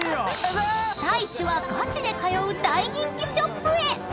［太一はガチで通う大人気ショップへ］